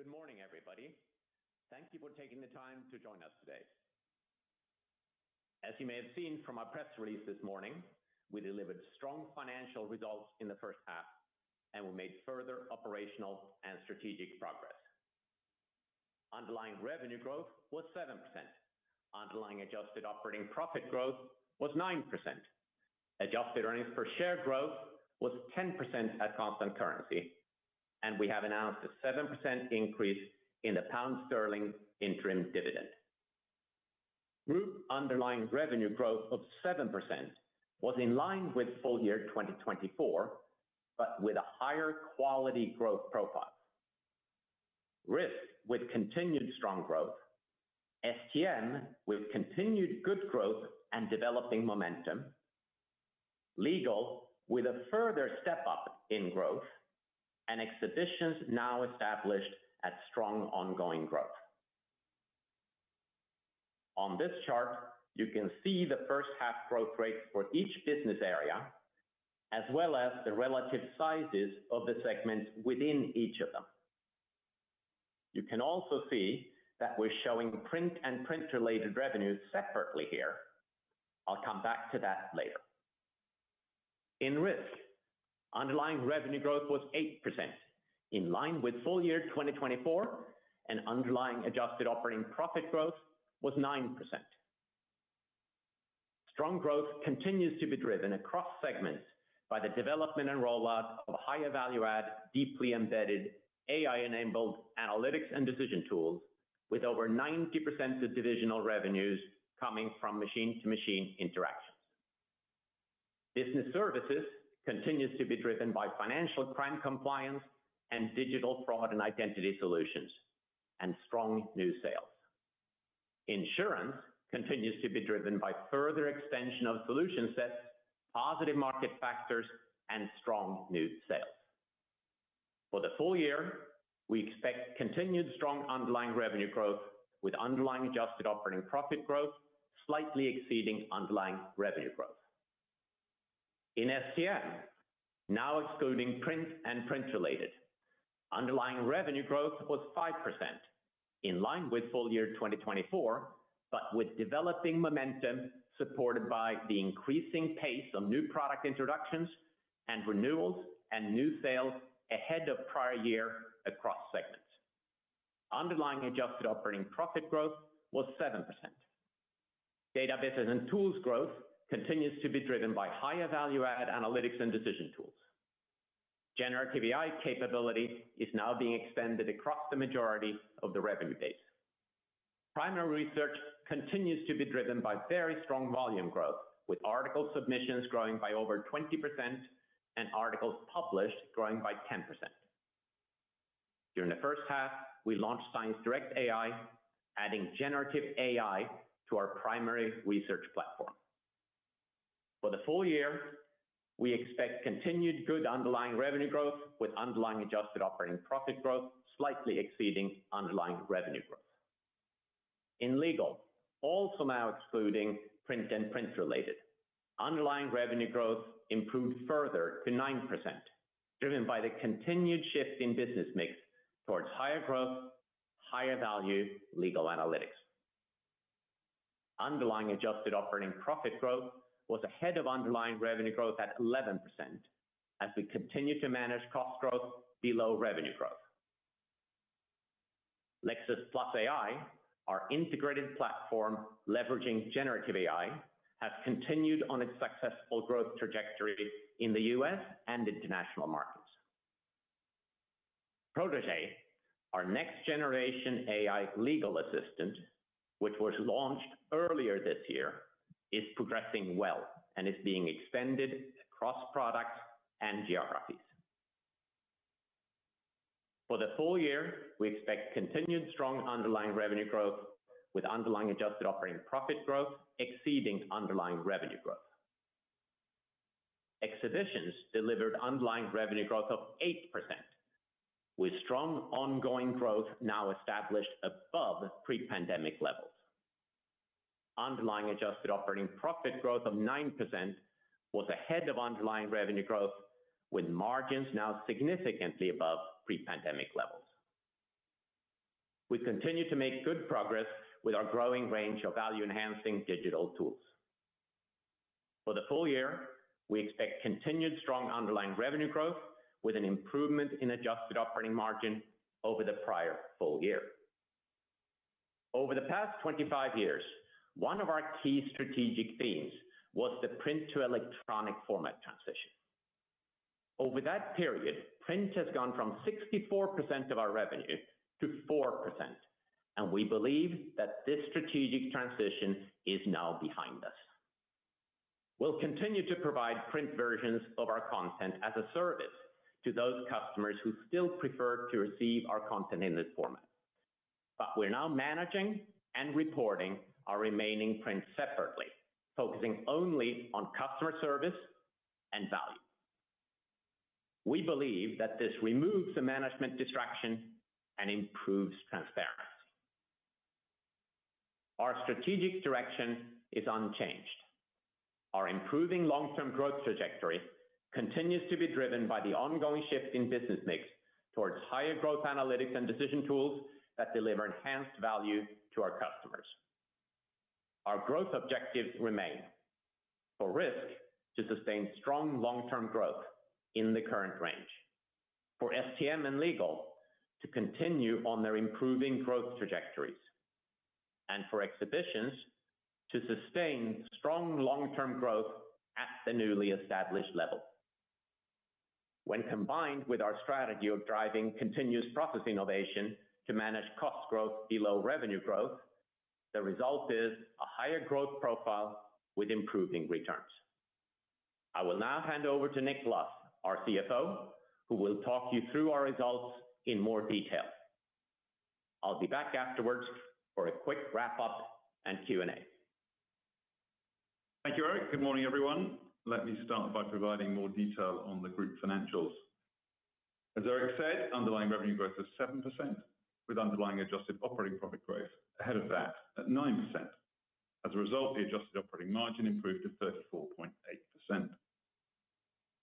Good morning, everybody. Thank you for taking the time to join us today. As you may have seen from our press release this morning, we delivered strong financial results in the first half, and we made further operational and strategic progress. Underlying revenue growth was 7%. Underlying adjusted operating profit growth was 9%. Adjusted earnings per share growth was 10% at constant currency, and we have announced a 7% increase in the GBP interim dividend. Group underlying revenue growth of 7% was in line with full year 2024, but with a higher quality growth profile. RISK with continued strong growth. STM with continued good growth and developing momentum. Legal with a further step up in growth, and Exhibitions now established at strong ongoing growth. On this chart, you can see the first half growth rates for each business area, as well as the relative sizes of the segments within each of them. You can also see that we're showing print and print-related revenues separately here. I'll come back to that later. In RISK, underlying revenue growth was 8%, in line with full year 2024, and underlying adjusted operating profit growth was 9%. Strong growth continues to be driven across segments by the development and rollout of higher value-add, deeply embedded, AI-enabled analytics and decision tools, with over 90% of divisional revenues coming from machine-to-machine interactions. Business services continues to be driven by financial crime compliance and digital fraud and identity solutions, and strong new sales. Insurance continues to be driven by further extension of solution sets, positive market factors, and strong new sales. For the full year, we expect continued strong underlying revenue growth, with underlying adjusted operating profit growth slightly exceeding underlying revenue growth. In STM, now excluding print and print-related, underlying revenue growth was 5%, in line with full year 2024, but with developing momentum supported by the increasing pace of new product introductions and renewals and new sales ahead of prior year across segments. Underlying adjusted operating profit growth was 7%. Databases and tools growth continues to be driven by higher value-add analytics and decision tools. Generative AI capability is now being extended across the majority of the revenue base. Primary research continues to be driven by very strong volume growth, with article submissions growing by over 20% and articles published growing by 10%. During the first half, we launched ScienceDirect AI, adding generative AI to our primary research platform. For the full year, we expect continued good underlying revenue growth, with underlying adjusted operating profit growth slightly exceeding underlying revenue growth. In legal, also now excluding print and print-related, underlying revenue growth improved further to 9%, driven by the continued shift in business mix towards higher growth, higher value legal analytics. Underlying adjusted operating profit growth was ahead of underlying revenue growth at 11%, as we continue to manage cost growth below revenue growth. Lexis+ AI, our integrated platform leveraging generative AI, has continued on its successful growth trajectory in the U.S. and international markets. Protégé, our next-generation AI legal assistant, which was launched earlier this year, is progressing well and is being extended across products and geographies. For the full year, we expect continued strong underlying revenue growth, with underlying adjusted operating profit growth exceeding underlying revenue growth. Exhibitions delivered underlying revenue growth of 8%. With strong ongoing growth now established above pre-pandemic levels. Underlying adjusted operating profit growth of 9% was ahead of underlying revenue growth, with margins now significantly above pre-pandemic levels. We continue to make good progress with our growing range of value-enhancing digital tools. For the full year, we expect continued strong underlying revenue growth, with an improvement in adjusted operating margin over the prior full year. Over the past 25 years, one of our key strategic themes was the print-to-electronic format transition. Over that period, print has gone from 64% of our revenue to 4%, and we believe that this strategic transition is now behind us. We will continue to provide print versions of our content as a service to those customers who still prefer to receive our content in this format. We are now managing and reporting our remaining print separately, focusing only on customer service and value. We believe that this removes the management distraction and improves transparency. Our strategic direction is unchanged. Our improving long-term growth trajectory continues to be driven by the ongoing shift in business mix towards higher growth analytics and decision tools that deliver enhanced value to our customers. Our growth objectives remain: for RISK to sustain strong long-term growth in the current range; for STM and legal to continue on their improving growth trajectories; and for Exhibitions to sustain strong long-term growth at the newly established level. When combined with our strategy of driving continuous process innovation to manage cost growth below revenue growth, the result is a higher growth profile with improving returns. I will now hand over to Nick Luff, our CFO, who will talk you through our results in more detail. I will be back afterwards for a quick wrap-up and Q&A. Thank you, Erik. Good morning, everyone. Let me start by providing more detail on the group financials. As Erik said, underlying revenue growth was 7%, with underlying adjusted operating profit growth ahead of that at 9%. As a result, the adjusted operating margin improved to 34.8%.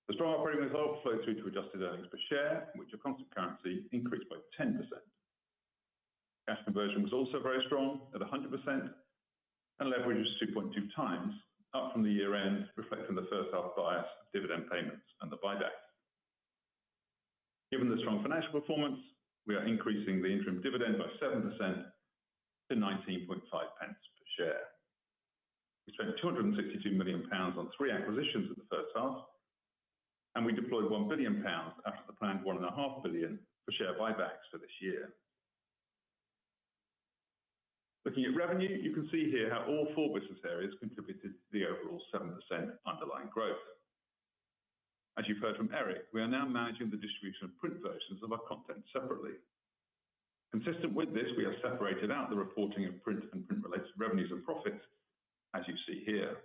The strong operating result flowed through to adjusted earnings per share, which, at constant currency, increased by 10%. Cash conversion was also very strong at 100%. Leverage was 2.2 times, up from the year-end, reflecting the first-half bias of dividend payments and the buyback. Given the strong financial performance, we are increasing the interim dividend by 7% to 0.195 per share. We spent 262 million pounds on three acquisitions in the first half. We deployed 1 billion pounds after the planned 1.5 billion for share buybacks for this year. Looking at revenue, you can see here how all four business areas contributed to the overall 7% underlying growth. As you have heard from Erik, we are now managing the distribution of print versions of our content separately. Consistent with this, we have separated out the reporting of print and print-related revenues and profits, as you see here.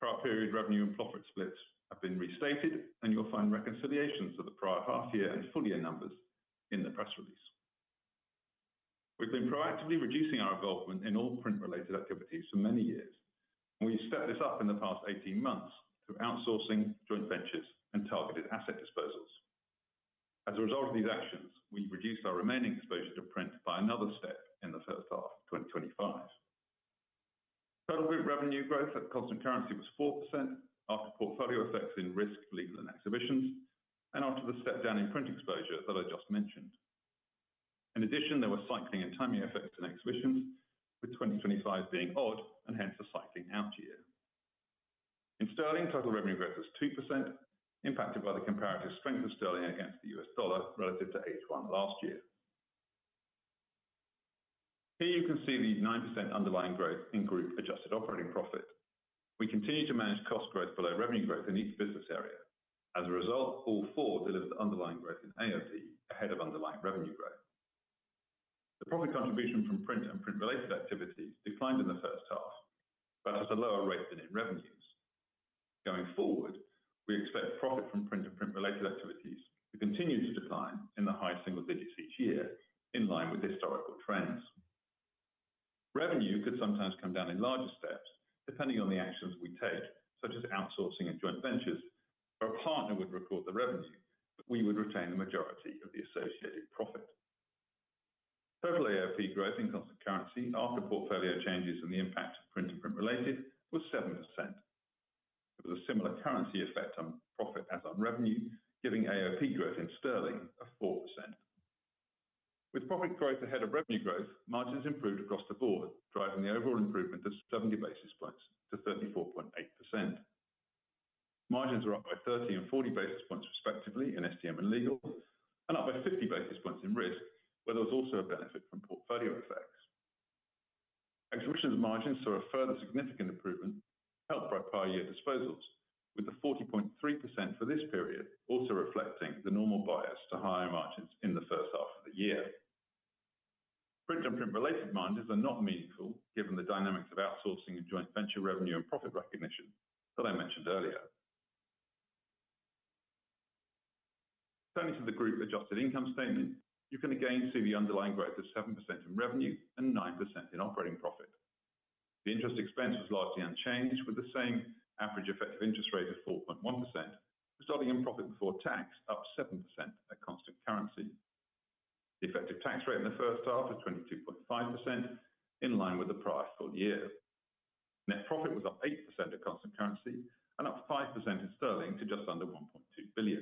Prior period revenue and profit splits have been restated, and you will find reconciliations of the prior half-year and full-year numbers in the press release. We have been proactively reducing our involvement in all print-related activities for many years, and we have stepped this up in the past 18 months through outsourcing, joint ventures, and targeted asset disposals. As a result of these actions, we have reduced our remaining exposure to print by another step in the first half of 2025. Total group revenue growth at constant currency was 4% after portfolio effects in RISK, legal, and exhibitions, and after the step-down in print exposure that I just mentioned. In addition, there were cycling and timing effects in exhibitions, with 2025 being odd and hence a cycling out year. In sterling, total revenue growth was 2%, impacted by the comparative strength of sterling against the U.S. dollar relative to H1 last year. Here you can see the 9% underlying growth in group adjusted operating profit. We continue to manage cost growth below revenue growth in each business area. As a result, all four delivered underlying growth in AOP ahead of underlying revenue growth. The profit contribution from print and print-related activities declined in the first half, but at a lower rate than in revenues. Going forward, we expect profit from print and print-related activities to continue to decline in the high single digits each year, in line with historical trends. Revenue could sometimes come down in larger steps, depending on the actions we take, such as outsourcing and joint ventures, where a partner would record the revenue, but we would retain the majority of the associated profit. Total AOP growth in constant currency after portfolio changes and the impact of print and print-related was 7%. There was a similar currency effect on profit as on revenue, giving AOP growth in sterling of 4%. With profit growth ahead of revenue growth, margins improved across the board, driving the overall improvement of 70 basis points to 34.8%. Margins were up by 30 and 40 basis points respectively in STM and legal, and up by 50 basis points in RISK, where there was also a benefit from portfolio effects. Exhibitions' margins saw a further significant improvement helped by prior year disposals, with the 40.3% for this period also reflecting the normal bias to higher margins in the first half of the year. Print and print-related margins are not meaningful, given the dynamics of outsourcing and joint venture revenue and profit recognition that I mentioned earlier. Turning to the group adjusted income statement, you can again see the underlying growth of 7% in revenue and 9% in operating profit. The interest expense was largely unchanged, with the same average effective interest rate of 4.1%, resulting in profit before tax up 7% at constant currency. The effective tax rate in the first half was 22.5%, in line with the prior full year. Net profit was up 8% at constant currency and up 5% in sterling to just under 1.2 billion.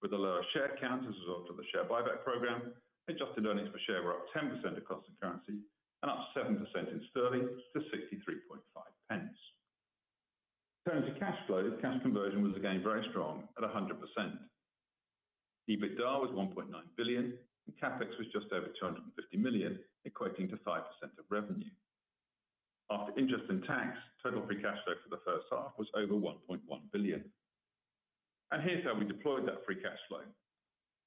With a lower share count as a result of the share buyback program, adjusted earnings per share were up 10% at constant currency and up 7% in sterling to 63.5 pence. Turning to cash flow, cash conversion was again very strong at 100%. EBITDA was 1.9 billion, and CapEx was just over 250 million, equating to 5% of revenue. After interest and tax, total free cash flow for the first half was over 1.1 billion. And here is how we deployed that free cash flow.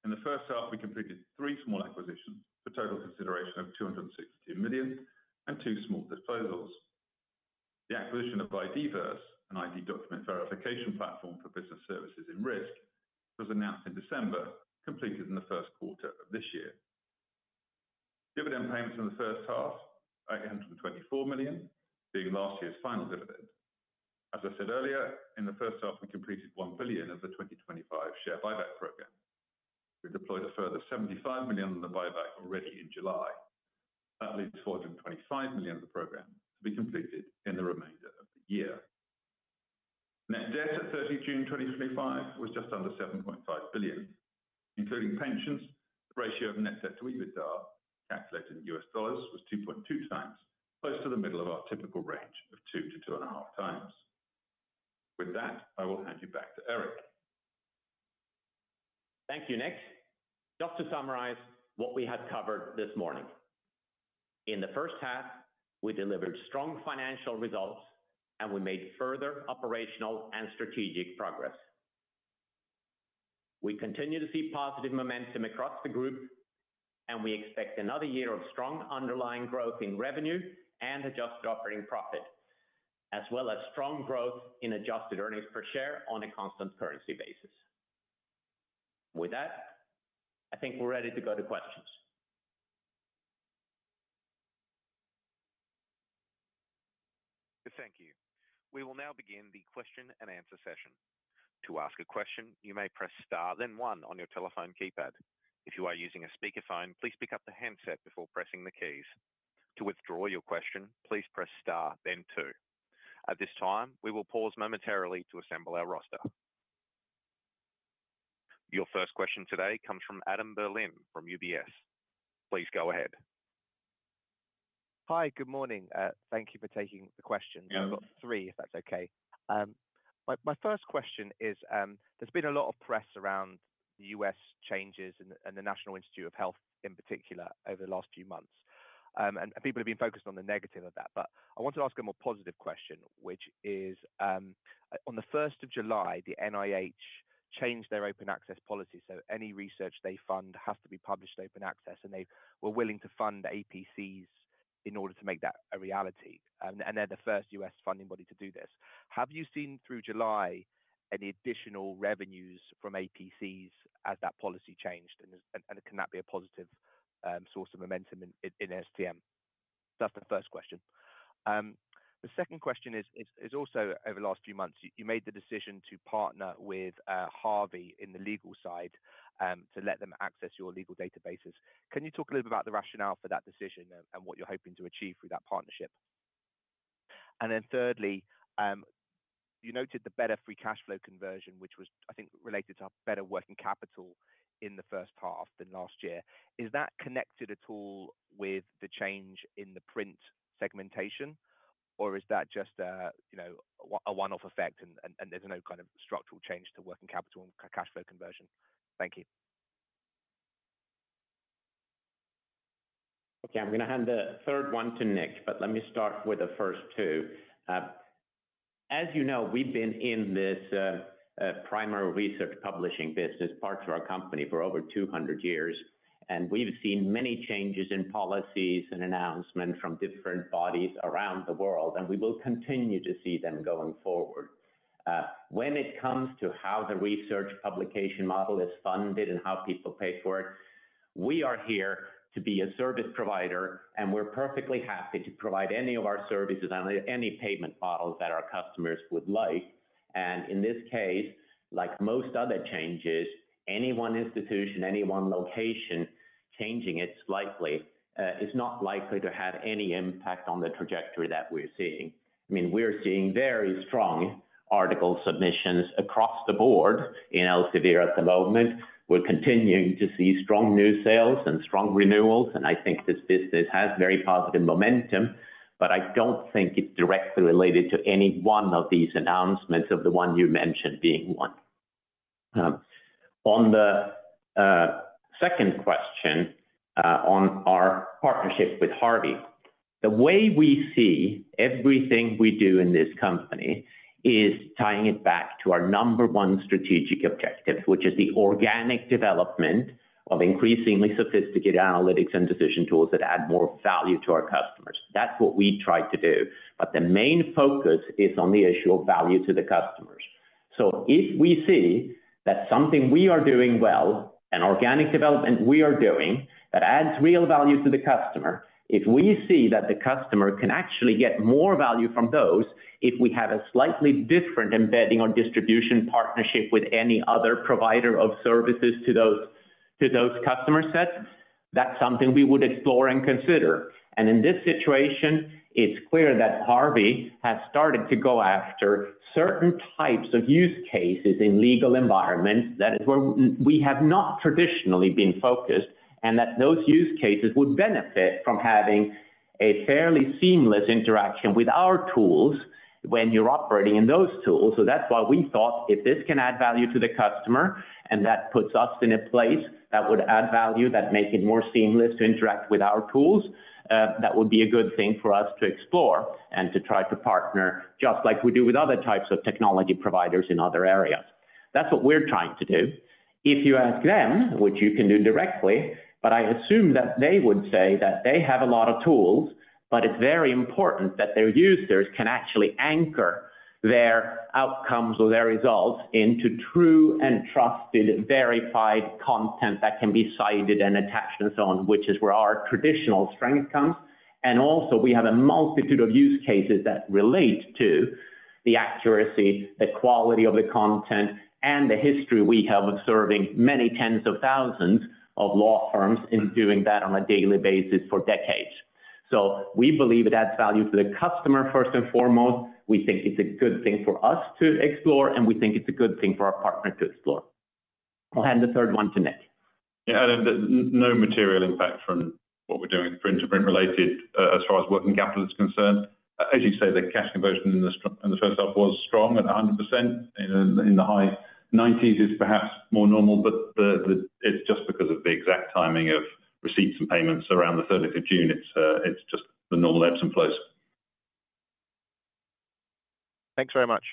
In the first half, we completed three small acquisitions for total consideration of 262 million and two small disposals. The acquisition of IDVerse, an ID document verification platform for business services in RISK, was announced in December, completed in the first quarter of this year. Dividend payments in the first half were 824 million, being last year's final dividend. As I said earlier, in the first half, we completed 1 billion of the 2025 share buyback program. We deployed a further 75 million in the buyback already in July. That leaves 425 million of the program to be completed in the remainder of the year. Net debt at 30 June 2025 was just under 7.5 billion. Including pensions, the ratio of net debt to EBITDA, calculated in U.S. dollars, was 2.2 times, close to the middle of our typical range of 2-2.5 times. With that, I will hand you back to Erik. Thank you, Nick. Just to summarize what we have covered this morning. In the first half, we delivered strong financial results, and we made further operational and strategic progress. We continue to see positive momentum across the group, and we expect another year of strong underlying growth in revenue and adjusted operating profit, as well as strong growth in adjusted earnings per share on a constant currency basis. With that, I think we're ready to go to questions. Thank you. We will now begin the question and answer session. To ask a question, you may press Star, then one on your telephone keypad. If you are using a speakerphone, please pick up the handset before pressing the keys. To withdraw your question, please press Star, then two. At this time, we will pause momentarily to assemble our roster. Your first question today comes from Adam Berlin from UBS. Please go ahead. Hi, good morning. Thank you for taking the question. I've got three, if that's okay. My first question is, there's been a lot of press around U.S. changes and the National Institutes of Health in particular over the last few months. And people have been focused on the negative of that. But I want to ask a more positive question, which is. On the 1st of July, the NIH changed their open access policy. Any research they fund has to be published in open access, and they were willing to fund APCs in order to make that a reality. And they're the first U.S. funding body to do this. Have you seen through July any additional revenues from APCs as that policy changed? And can that be a positive source of momentum in STM? That's the first question. The second question is also, over the last few months, you made the decision to partner with Harvey in the legal side to let them access your legal databases. Can you talk a little bit about the rationale for that decision and what you're hoping to achieve through that partnership? And then, thirdly, you noted the better free cash flow conversion, which was, I think, related to better working capital in the first half than last year. Is that connected at all with the change in the print segmentation, or is that just a one-off effect and there's no kind of structural change to working capital and cash flow conversion? Thank you. Okay, I'm going to hand the third one to Nick, but let me start with the first two. As you know, we've been in this primary research publishing business, parts of our company, for over 200 years. We've seen many changes in policies and announcements from different bodies around the world, and we will continue to see them going forward. When it comes to how the research publication model is funded and how people pay for it, we are here to be a service provider, and we're perfectly happy to provide any of our services and any payment models that our customers would like. In this case, like most other changes, any one institution, any one location changing it slightly is not likely to have any impact on the trajectory that we're seeing. I mean, we're seeing very strong article submissions across the board in Elsevier at the moment. We're continuing to see strong new sales and strong renewals, and I think this business has very positive momentum, but I don't think it's directly related to any one of these announcements, the one you mentioned being one. On the second question, on our partnership with Harvey, the way we see everything we do in this company is tying it back to our number one strategic objective, which is the organic development of increasingly sophisticated analytics and decision tools that add more value to our customers. That's what we try to do. The main focus is on the issue of value to the customers. If we see that something we are doing well, an organic development we are doing that adds real value to the customer, if we see that the customer can actually get more value from those, if we have a slightly different embedding or distribution partnership with any other provider of services to those customer sets, that's something we would explore and consider. In this situation, it's clear that Harvey has started to go after certain types of use cases in legal environments that we have not traditionally been focused on, and that those use cases would benefit from having a fairly seamless interaction with our tools when you're operating in those tools. That's why we thought if this can add value to the customer, and that puts us in a place that would add value, that makes it more seamless to interact with our tools, that would be a good thing for us to explore and to try to partner, just like we do with other types of technology providers in other areas. That's what we're trying to do. If you ask them, which you can do directly, but I assume that they would say that they have a lot of tools, but it's very important that their users can actually anchor their outcomes or their results into true and trusted, verified content that can be cited and attached and so on, which is where our traditional strength comes. And also we have a multitude of use cases that relate to the accuracy, the quality of the content, and the history we have of serving many tens of thousands of law firms in doing that on a daily basis for decades. So we believe it adds value to the customer first and foremost. We think it is a good thing for us to explore, and we think it is a good thing for our partner to explore. I'll hand the third one to Nick. Yeah, and no material impact from what we're doing with print and print-related as far as working capital is concerned. As you say, the cash conversion in the first half was strong at 100%. In the high 90s is perhaps more normal, but it's just because of the exact timing of receipts and payments around the 30th of June. It's just the normal ebbs and flows. Thanks very much.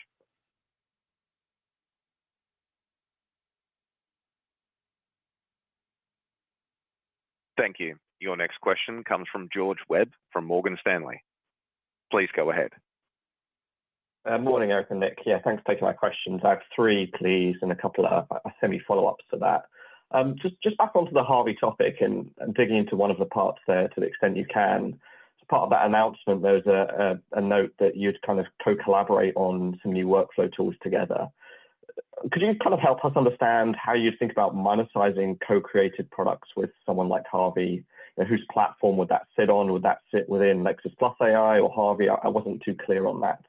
Thank you. Your next question comes from George Webb from Morgan Stanley. Please go ahead. Morning, Erik and Nick. Yeah, thanks for taking my questions. I have three, please, and a couple of semi-follow-ups to that. Just back onto the Harvey topic and digging into one of the parts there to the extent you can. As part of that announcement, there was a note that you'd kind of co-collaborate on some new workflow tools together. Could you kind of help us understand how you'd think about monetizing co-created products with someone like Harvey? Whose platform would that sit on? Would that sit within Lexis+ AI or Harvey? I wasn't too clear on that.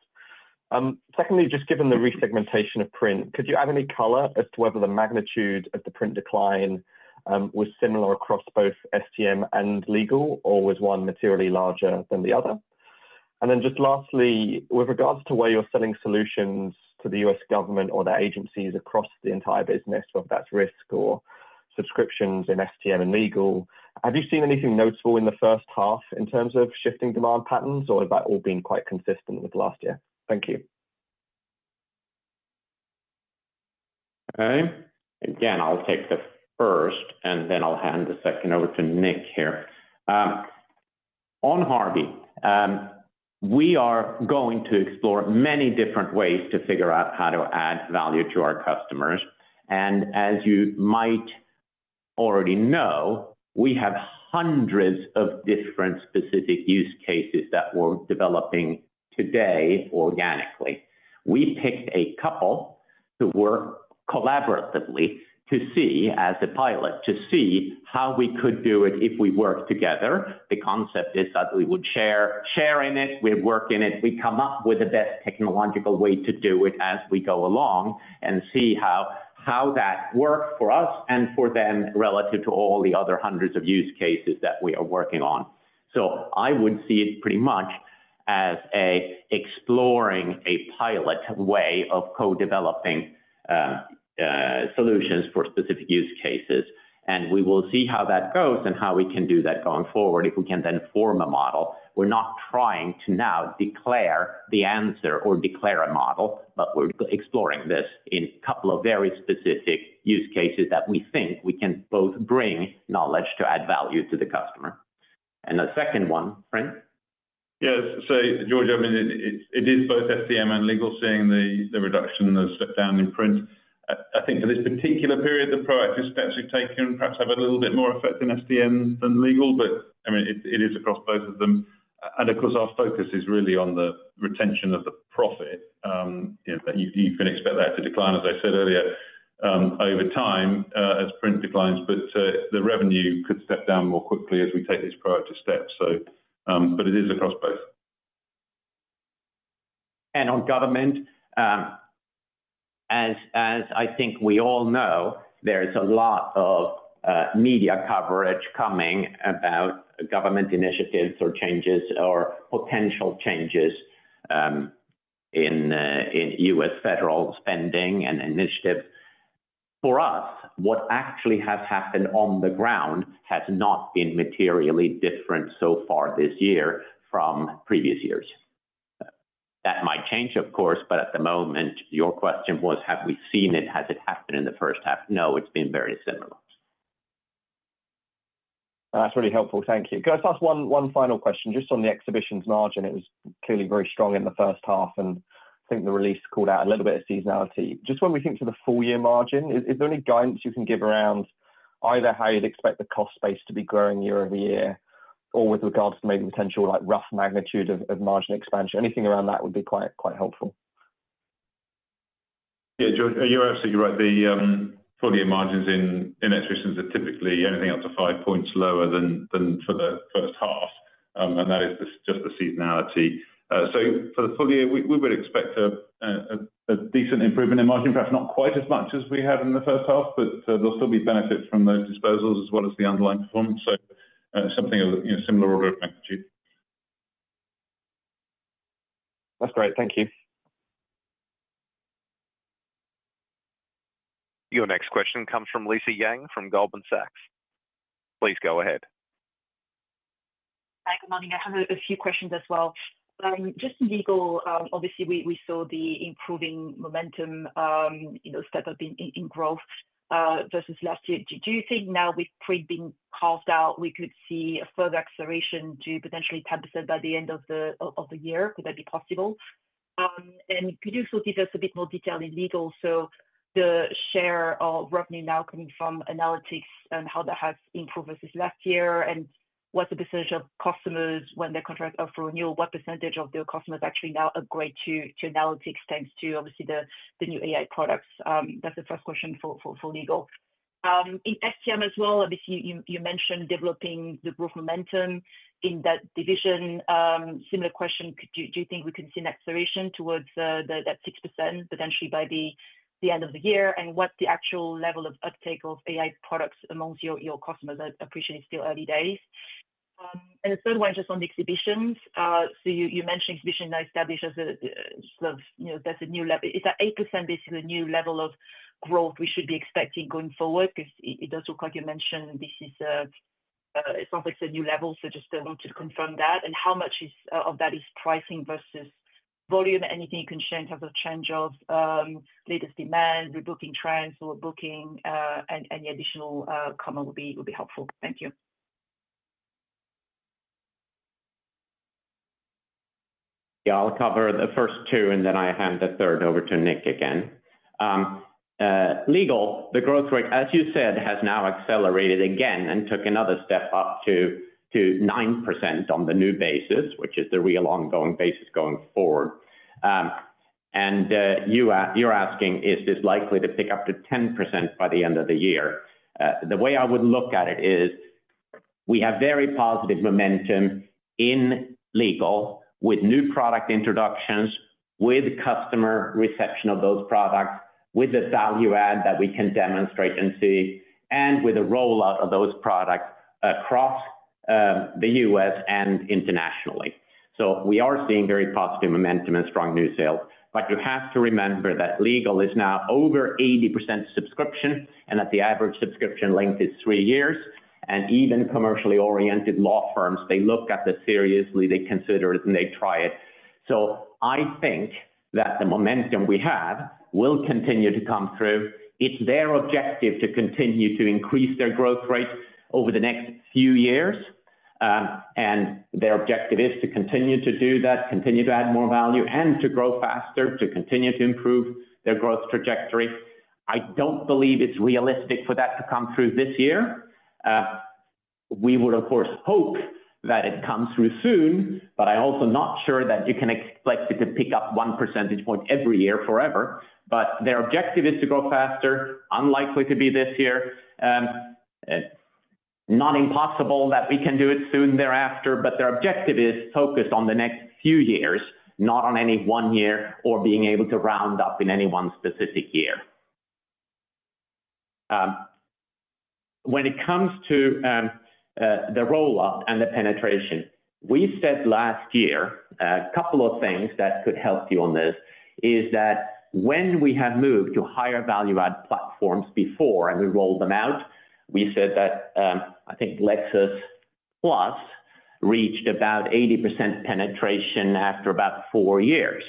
Secondly, just given the resegmentation of print, could you add any color as to whether the magnitude of the print decline was similar across both STM and legal, or was one materially larger than the other? And then just lastly, with regards to where you're selling solutions to the US government or the agencies across the entire business, whether that's RISK or subscriptions in STM and legal, have you seen anything notable in the first half in terms of shifting demand patterns, or has that all been quite consistent with last year? Thank you. Again, I'll take the first, and then I'll hand the second over to Nick here. On Harvey. We are going to explore many different ways to figure out how to add value to our customers. As you might already know, we have hundreds of different specific use cases that we're developing today organically. We picked a couple to work collaboratively to see, as a pilot, how we could do it if we worked together. The concept is that we would share in it, we'd work in it, we'd come up with the best technological way to do it as we go along and see how that worked for us and for them relative to all the other hundreds of use cases that we are working on. I would see it pretty much as exploring a pilot way of co-developing solutions for specific use cases. And we will see how that goes and how we can do that going forward if we can then form a model. We're not trying to now declare the answer or declare a model, but we're exploring this in a couple of very specific use cases that we think we can both bring knowledge to add value to the customer. The second one, [Nick]? Yeah, so George, I mean, it is both STM and legal seeing the reduction of step down in print. I think for this particular period, the product is actually taken and perhaps have a little bit more effect in STM than legal, but I mean, it is across both of them. Of course, our focus is really on the retention of the profit. You can expect that to decline, as I said earlier, over time as print declines, but the revenue could step down more quickly as we take these productive steps. It is across both. And on government. As I think we all know, there is a lot of media coverage coming about government initiatives or changes or potential changes in U.S. federal spending and initiative. For us, what actually has happened on the ground has not been materially different so far this year from previous years. That might change, of course, but at the moment, your question was, have we seen it? Has it happened in the first half? No, it has been very similar. That's really helpful. Thank you. Can I just ask one final question? Just on the exhibitions margin, it was clearly very strong in the first half, and I think the release called out a little bit of seasonality. Just when we think to the full year margin, is there any guidance you can give around either how you'd expect the cost base to be growing year-over-year or with regards to maybe potential rough magnitude of margin expansion? Anything around that would be quite helpful. Yeah, George, you're absolutely right. The full year margins in exhibitions are typically anything up to five percentage points lower than for the first half, and that is just the seasonality. For the full year, we would expect a decent improvement in margin, perhaps not quite as much as we had in the first half, but there will still be benefits from those disposals as well as the underlying performance. Something of a similar order of magnitude. That's great. Thank you. Your next question comes from Lisa Yang from Goldman Sachs. Please go ahead. Hi, good morning. I have a few questions as well. Just in legal, obviously, we saw the improving momentum. Step up in growth versus last year. Do you think now with print being carved out, we could see a further acceleration to potentially 10% by the end of the year? Could that be possible? Could you also give us a bit more detail in legal? So the share of revenue now coming from analytics and how that has improved versus last year and what's the percentage of customers when their contracts are for renewal? What percentage of their customers actually now upgrade to analytics thanks to, obviously, the new AI products? That's the first question for legal. In STM as well, obviously, you mentioned developing the growth momentum in that division. Similar question, do you think we can see an acceleration towards that 6% potentially by the end of the year? What's the actual level of uptake of AI products amongst your customers? I appreciate it's still early days. The third one, just on the exhibitions, you mentioned exhibition now established as a growth. That's a new level. Is that 8% basically a new level of growth we should be expecting going forward? Because it does look like you mentioned this is. It sounds like it's a new level, just want to confirm that. And ow much of that is pricing versus volume? Anything you can share in terms of change of latest demand, rebooking trends, or booking? Any additional comment would be helpful. Thank you. Yeah, I'll cover the first two, and then I hand the third over to Nick again. Legal, the growth rate, as you said, has now accelerated again and took another step up to 9% on the new basis, which is the real ongoing basis going forward. You're asking, is this likely to pick up to 10% by the end of the year? The way I would look at it is, we have very positive momentum in legal with new product introductions, with customer reception of those products, with the value add that we can demonstrate and see, and with a rollout of those products across the U.S. and internationally. We are seeing very positive momentum and strong new sales. You have to remember that legal is now over 80% subscription and that the average subscription length is three years. Even commercially oriented law firms, they look at this seriously, they consider it, and they try it. I think that the momentum we have will continue to come through. It's their objective to continue to increase their growth rate over the next few years. Their objective is to continue to do that, continue to add more value, and to grow faster, to continue to improve their growth trajectory. I don't believe it's realistic for that to come through this year. We would, of course, hope that it comes through soon, but I'm also not sure that you can expect it to pick up one percentage point every year forever. Their objective is to grow faster. Unlikely to be this year. Not impossible that we can do it soon thereafter, but their objective is focused on the next few years, not on any one year or being able to round up in any one specific year. When it comes to the rollout and the penetration, we said last year a couple of things that could help you on this is that when we have moved to higher value add platforms before and we rolled them out, we said that I think Lexis+ reached about 80% penetration after about four years.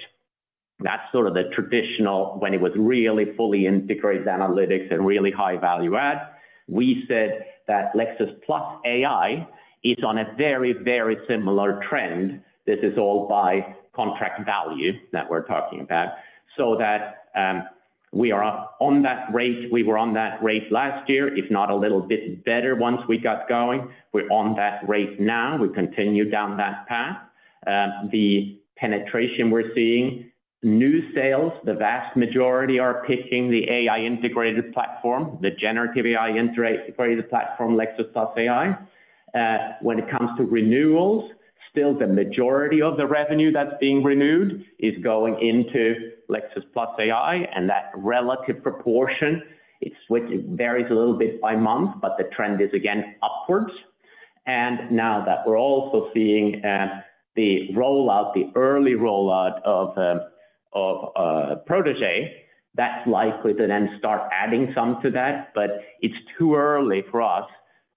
That's sort of the traditional when it was really fully integrated analytics and really high value add. We said that Lexis+ AI is on a very, very similar trend. This is all by contract value that we're talking about. So that we are on that rate. We were on that rate last year, if not a little bit better once we got going. We're on that rate now. We continue down that path. The penetration we're seeing, new sales, the vast majority are picking the AI integrated platform, the generative AI integrated platform, Lexis+ AI. When it comes to renewals, still the majority of the revenue that's being renewed is going into Lexis+ AI, and that relative proportion, it varies a little bit by month, but the trend is again upwards. Now that we're also seeing the rollout, the early rollout of Protégé, that's likely to then start adding some to that, but it's too early for us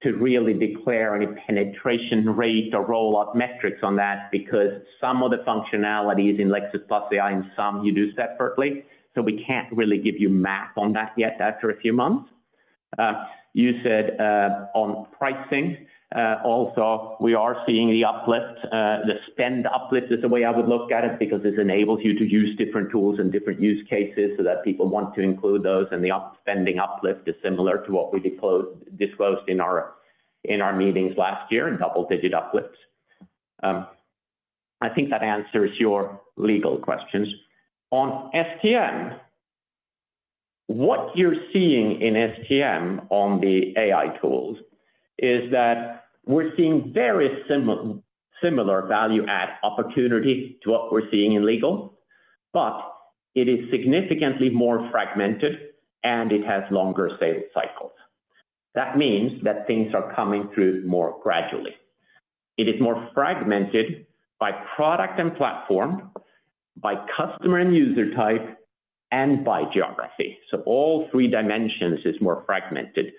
to really declare any penetration rate or rollout metrics on that because some of the functionalities in Lexis+ AI and some you do separately. So we can't really give you a map on that yet after a few months. You said on pricing, also, we are seeing the uplift, the spend uplift is the way I would look at it because it enables you to use different tools and different use cases so that people want to include those, and the spending uplift is similar to what we disclosed in our meetings last year and double-digit uplifts. I think that answers your legal questions. On STM, what you're seeing in STM on the AI tools is that we're seeing very similar value add opportunity to what we're seeing in legal, but it is significantly more fragmented and it has longer sales cycles. That means that things are coming through more gradually. It is more fragmented by product and platform, by customer and user type, and by geography. All three dimensions are more fragmented.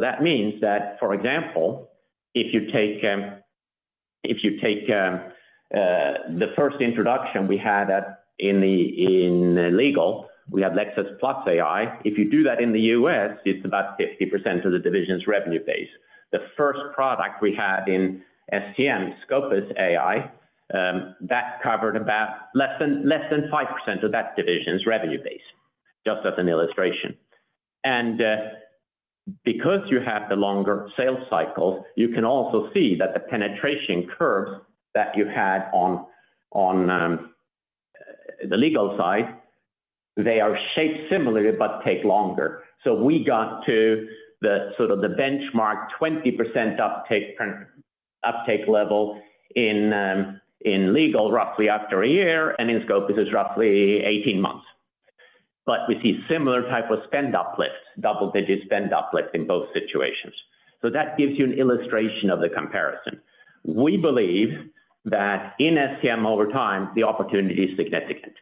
That means that, for example, if you take the first introduction we had in legal, we had Lexis+ AI. If you do that in the U.S., it's about 50% of the division's revenue base. The first product we had in STM, Scopus AI, that covered about less than 5% of that division's revenue base, just as an illustration. Because you have the longer sales cycles, you can also see that the penetration curves that you had on the legal side, they are shaped similarly but take longer. We got to the sort of the benchmark 20% uptake level in legal roughly after a year, and in Scopus, it's roughly 18 months. We see similar type of spend uplift, double-digit spend uplift in both situations. That gives you an illustration of the comparison. We believe that in STM over time, the opportunity is significant.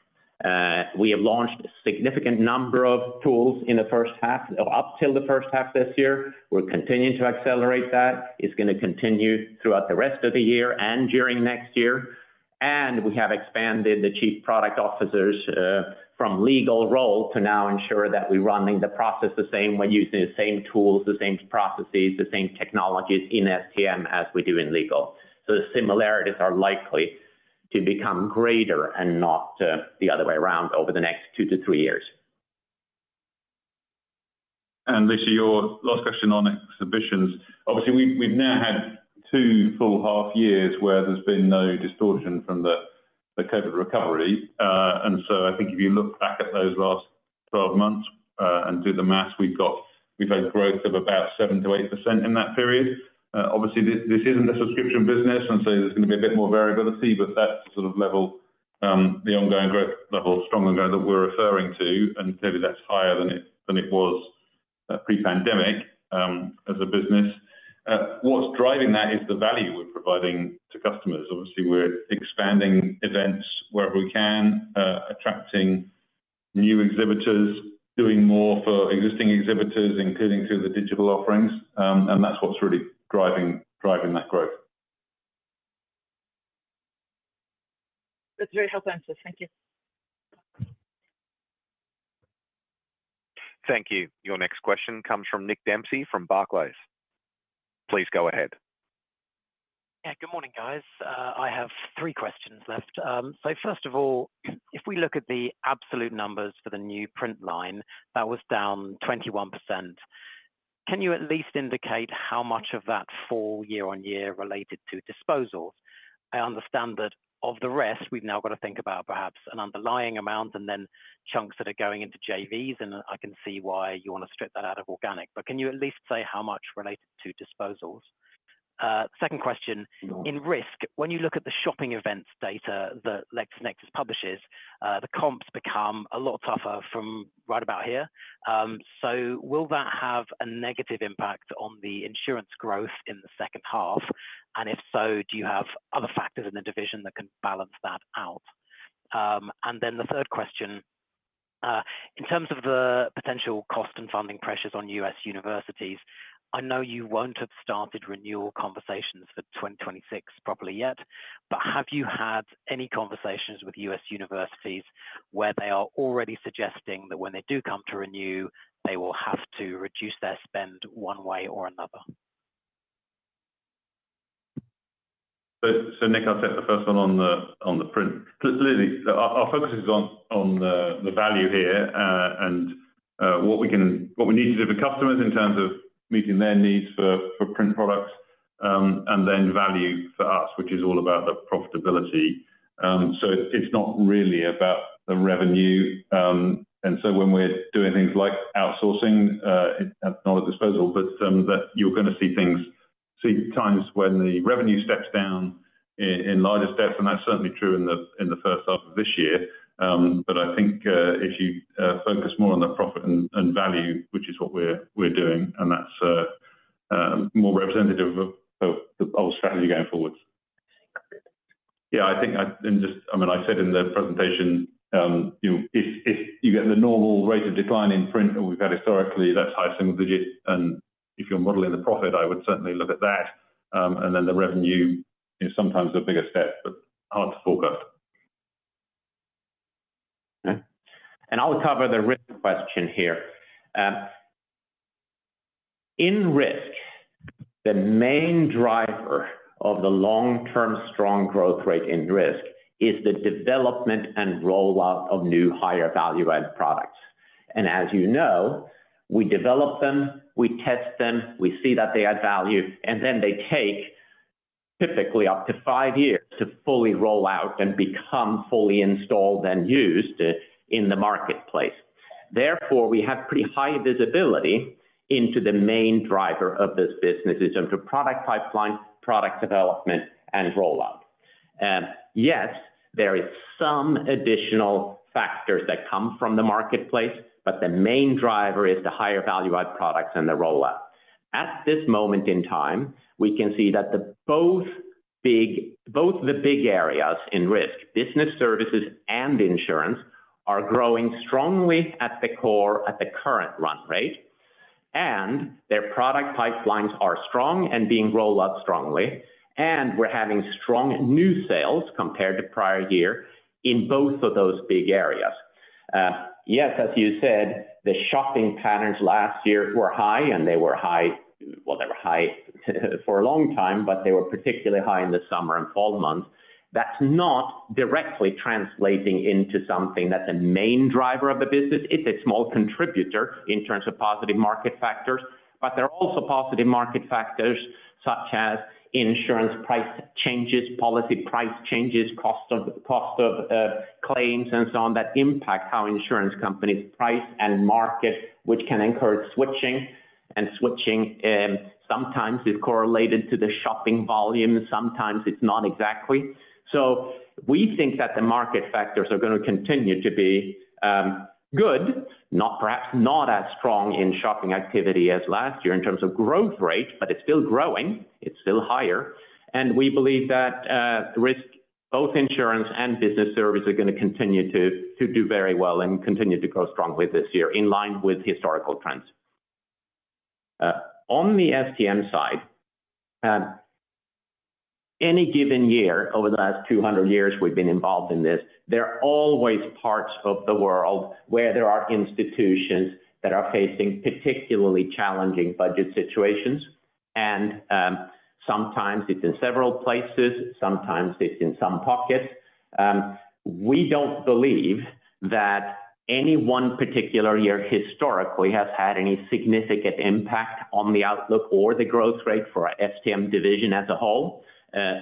We have launched a significant number of tools in the first half, up till the first half this year. We're continuing to accelerate that. It's going to continue throughout the rest of the year and during next year. And we have expanded the Chief Product Officer's from legal role to now ensure that we're running the process the same, we're using the same tools, the same processes, the same technologies in STM as we do in legal. The similarities are likely to become greater and not the other way around over the next two to three years. Lisa, your last question on exhibitions. Obviously, we have now had two full half years where there has been no distortion from the COVID recovery. I think if you look back at those last 12 months and do the math, we have had growth of about 7-8% in that period. Obviously, this is not a subscription business, and there is going to be a bit more variability, but that is the sort of level, the ongoing growth level, strong ongoing that we are referring to, and clearly that is higher than it was pre-pandemic as a business. What is driving that is the value we are providing to customers. Obviously, we are expanding events wherever we can, attracting new exhibitors, doing more for existing exhibitors, including through the digital offerings, and that is what is really driving that growth. That's a very helpful answer. Thank you. Thank you. Your next question comes from Nick Dempsey from Barclays. Please go ahead. Yeah, good morning, guys. I have three questions left. First of all, if we look at the absolute numbers for the new print line, that was down 21%. Can you at least indicate how much of that fall year on year related to disposals? I understand that of the rest, we've now got to think about perhaps an underlying amount and then chunks that are going into JVs, and I can see why you want to strip that out of organic. Can you at least say how much related to disposals? Second question, in risk, when you look at the shopping events data that LexisNexis publishes, the comps become a lot tougher from right about here. Will that have a negative impact on the insurance growth in the second half? If so, do you have other factors in the division that can balance that out? Then the third question. In terms of the potential cost and funding pressures on U.S. universities, I know you won't have started renewal conversations for 2026 properly yet, but have you had any conversations with U.S. universities where they are already suggesting that when they do come to renew, they will have to reduce their spend one way or another? Nick, I'll take the first one on the print. Our focus is on the value here and what we need to do for customers in terms of meeting their needs for print products and then value for us, which is all about the profitability. It's not really about the revenue. When we're doing things like outsourcing, not a disposal, but you're going to see times when the revenue steps down in larger steps, and that's certainly true in the first half of this year. I think if you focus more on the profit and value, which is what we're doing, and that's more representative of the whole strategy going forward. I think, I mean, I said in the presentation, if you get the normal rate of decline in print that we've had historically, that's high single digit. If you're modeling the profit, I would certainly look at that. And then the revenue, sometimes the bigger step, but hard to forecast. Okay. I'll cover the risk question here. In risk, the main driver of the long-term strong growth rate in risk is the development and rollout of new higher value add products. And as you know, we develop them, we test them, we see that they add value, and then they take typically up to five years to fully roll out and become fully installed and used in the marketplace. Therefore, we have pretty high visibility into the main driver of this business in terms of product pipeline, product development, and rollout. Yes, there are some additional factors that come from the marketplace, but the main driver is the higher value add products and the rollout. At this moment in time, we can see that both the big areas in risk, business services and insurance, are growing strongly at the core at the current run rate. Their product pipelines are strong and being rolled out strongly. We're having strong new sales compared to prior year in both of those big areas. Yes, as you said, the shopping patterns last year were high, and they were high for a long time, but they were particularly high in the summer and fall months. That's not directly translating into something that's a main driver of the business. It's a small contributor in terms of positive market factors, but there are also positive market factors such as insurance price changes, policy price changes, cost of claims, and so on that impact how insurance companies price and market, which can encourage switching. Switching sometimes is correlated to the shopping volume. Sometimes it's not exactly. We think that the market factors are going to continue to be good, perhaps not as strong in shopping activity as last year in terms of growth rate, but it's still growing. It's still higher. We believe that risk, both insurance and business service, are going to continue to do very well and continue to grow strongly this year in line with historical trends. On the STM side, any given year over the last 200 years we've been involved in this, there are always parts of the world where there are institutions that are facing particularly challenging budget situations. Sometimes it's in several places. Sometimes it's in some pockets. We don't believe that any one particular year historically has had any significant impact on the outlook or the growth rate for our STM division as a whole.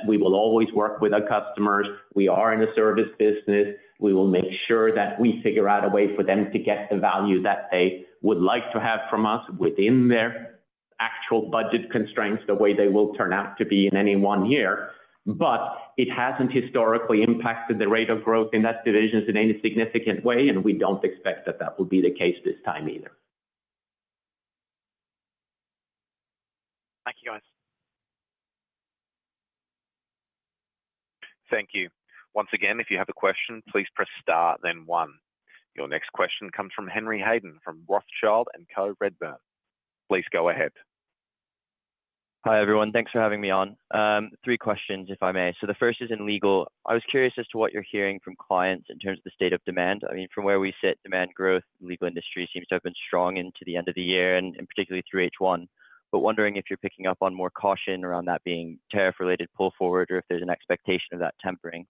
We will always work with our customers. We are in a service business. We will make sure that we figure out a way for them to get the value that they would like to have from us within their actual budget constraints the way they will turn out to be in any one year. It hasn't historically impacted the rate of growth in that division in any significant way, and we don't expect that that will be the case this time either. Thank you, guys. Thank you. Once again, if you have a question, please press star, then one. Your next question comes from Henry Hayden from Rothschild & Co Redburn. Please go ahead. Hi everyone. Thanks for having me on. Three questions, if I may. The first is in legal. I was curious as to what you're hearing from clients in terms of the state of demand. I mean, from where we sit, demand growth in the legal industry seems to have been strong into the end of the year and particularly through H1. I am wondering if you're picking up on more caution around that being tariff-related pull forward or if there's an expectation of that tempering.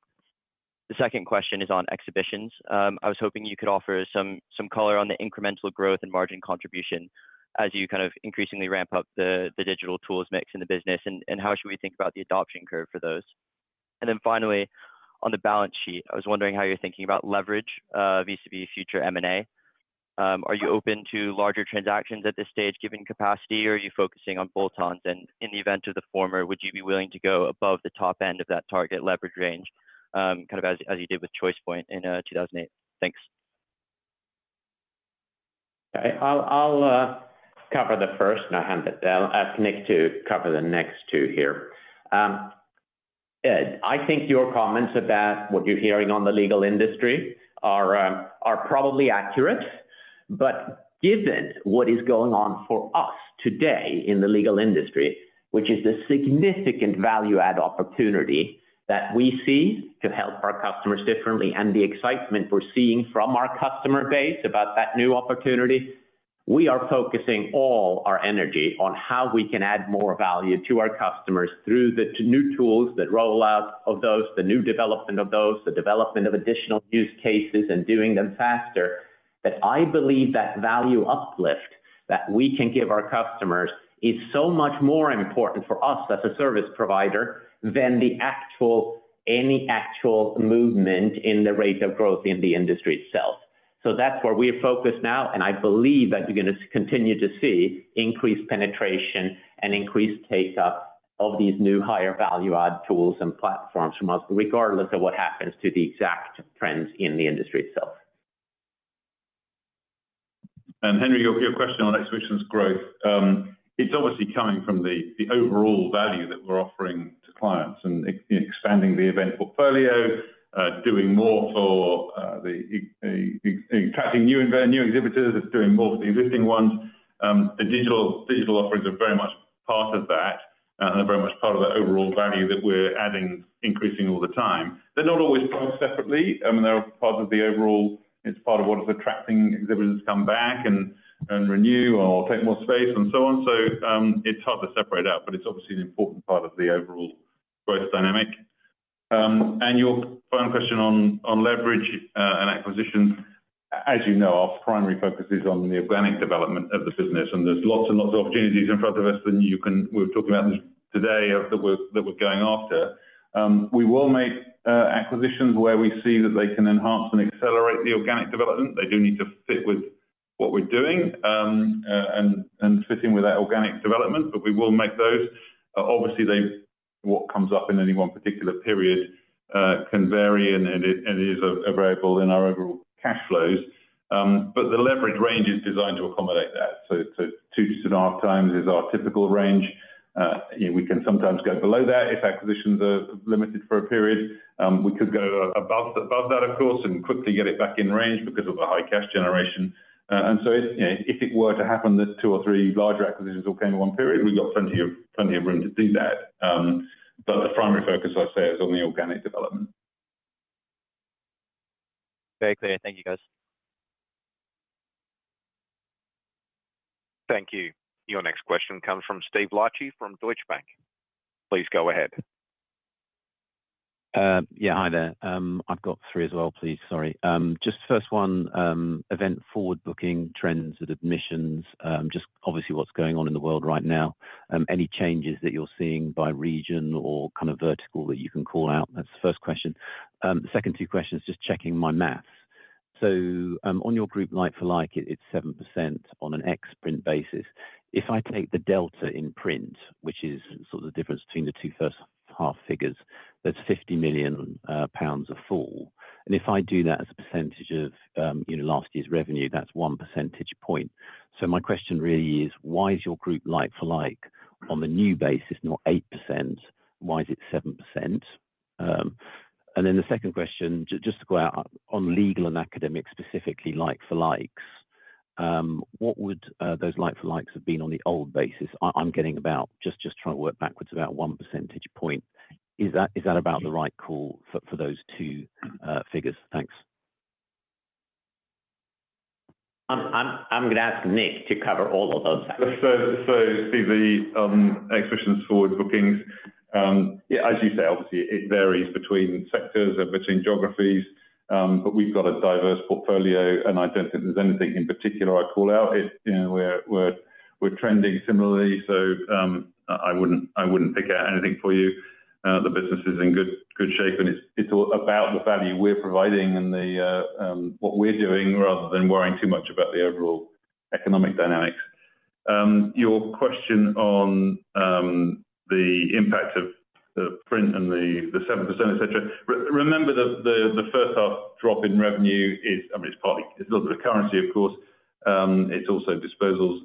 The second question is on exhibitions. I was hoping you could offer some color on the incremental growth and margin contribution as you kind of increasingly ramp up the digital tools mix in the business and how should we think about the adoption curve for those. Finally, on the balance sheet, I was wondering how you're thinking about leverage vis-à-vis future M&A. Are you open to larger transactions at this stage given capacity, or are you focusing on bolt-ons? In the event of the former, would you be willing to go above the top end of that target leverage range kind of as you did with ChoicePoint in 2008? Thanks. I'll cover the first, and I'll ask Nick to cover the next two here. And, I think your comments about what you're hearing on the legal industry are probably accurate. Given what is going on for us today in the legal industry, which is the significant value-add opportunity that we see to help our customers differently and the excitement we're seeing from our customer base about that new opportunity, we are focusing all our energy on how we can add more value to our customers through the new tools, the rollout of those, the new development of those, the development of additional use cases, and doing them faster. I believe that value uplift that we can give our customers is so much more important for us as a service provider than any actual movement in the rate of growth in the industry itself. That is where we are focused now, and I believe that you're going to continue to see increased penetration and increased take-up of these new higher value-add tools and platforms from us, regardless of what happens to the exact trends in the industry itself. Henry, your question on exhibitions growth. It is obviously coming from the overall value that we are offering to clients and expanding the event portfolio, doing more for attracting new exhibitors, doing more for the existing ones. The digital offerings are very much part of that and are very much part of the overall value that we are adding, increasing all the time. They are not always products separately. I mean, they are part of the overall, it is part of what is attracting exhibitors to come back and renew or take more space and so on. It is hard to separate it out, but it is obviously an important part of the overall growth dynamic. And your final question on leverage and acquisition. As you know, our primary focus is on the organic development of the business, and there are lots and lots of opportunities in front of us that we are talking about today that we are going after. We will make acquisitions where we see that they can enhance and accelerate the organic development. They do need to fit with what we are doing and fitting with that organic development, but we will make those. Obviously, what comes up in any one particular period can vary and is a variable in our overall cash flows. The leverage range is designed to accommodate that. Two to two and a half times is our typical range. We can sometimes go below that if acquisitions are limited for a period. We could go above that, of course, and quickly get it back in range because of the high cash generation. If it were to happen that two or three larger acquisitions all came in one period, we have plenty of room to do that. The primary focus, I would say, is on the organic development. Very clear. Thank you, guys. Thank you. Your next question comes from Steve Liechti from Deutsche Bank. Please go ahead. Yeah, hi there. I've got three as well, please. Sorry. Just first one, event forward-looking trends with admissions, just obviously what's going on in the world right now, any changes that you're seeing by region or kind of vertical that you can call out. That's the first question. The second two questions, just checking my math. So on your group, like-for-like, it's 7% on an ex-print basis. If I take the delta in print, which is sort of the difference between the two first half figures, that's 50 million pounds of fall. And if I do that as a percentage of last year's revenue, that's one percentage point. So my question really is, why is your group like-for-like on the new basis not 8%? Why is it 7%? And then the second question, just to go out on legal and academic specifically, like-for-likes. What would those like-for-likes have been on the old basis? I'm getting about, just trying to work backwards, about one percentage point. Is that about the right call for those two figures? Thanks. I'm going to ask NicSo k to cover all of those. Steve, exhibitions forward-looking. As you say, obviously, it varies between sectors and between geographies, but we've got a diverse portfolio, and I don't think there's anything in particular I'd call out. We're trending similarly, so I wouldn't pick out anything for you. The business is in good shape, and it's all about the value we're providing and what we're doing rather than worrying too much about the overall economic dynamics. Your question on the impact of the print and the 7%, etc., remember the first half drop in revenue is, I mean, it's partly, it's a little bit of currency, of course. It's also disposals.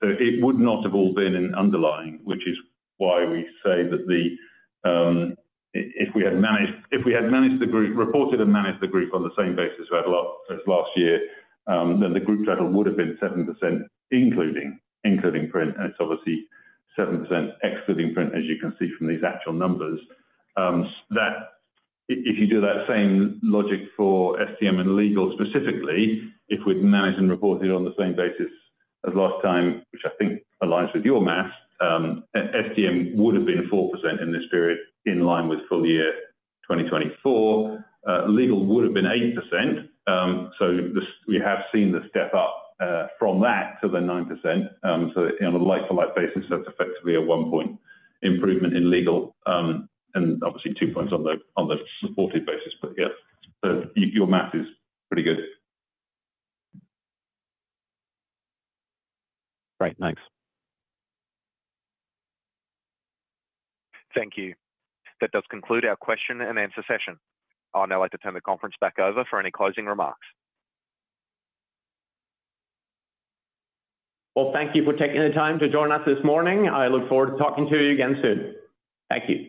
It would not have all been in underlying, which is why we say that. If we had reported and managed the group on the same basis as last year, then the group total would have been 7%, including print, and it's obviously 7% excluding print, as you can see from these actual numbers. If you do that same logic for STM and legal specifically, if we'd managed and reported on the same basis as last time, which I think aligns with your math, STM would have been 4% in this period in line with full year 2024. Legal would have been 8%. We have seen the step up from that to the 9%. On a like-for-like basis, that's effectively a one-point improvement in legal. Obviously two points on the reported basis, but yeah. Your math is pretty good. Great. Thanks. Thank you. That does conclude our question and answer session. I'd now like to turn the conference back over for any closing remarks. Well, thank you for taking the time to join us this morning. I look forward to talking to you again soon. Thank you.